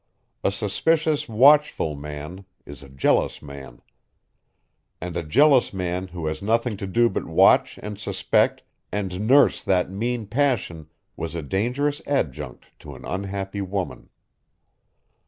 A suspicious, watchful man is a jealous man. And a jealous man who has nothing to do but watch and suspect and nurse that mean passion was a dangerous adjunct to an unhappy woman.